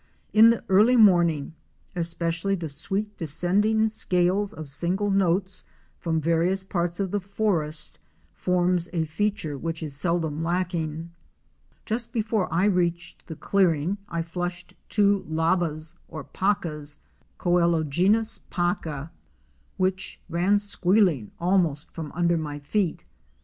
In the early morning especially, the sweet descending scales of single nates from various parts of the forest forms a feature which is seldom lacking. JUNGLE LIFE AT AREMU. 305 Just before I reached the clearing I flushed two labbas or pacas (Coelogenys paca) which ran squealing almost from under my feet.